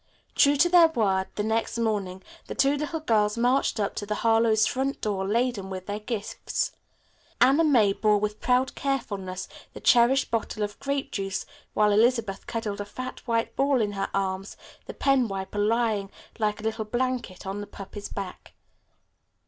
True to their word, the next morning the two little girls marched up to the Harlowes' front door laden with their gifts. Anna May bore with proud carefulness the cherished bottle of grape juice while Elizabeth cuddled a fat white ball in her arms, the pen wiper lying like a little blanket on the puppy's back.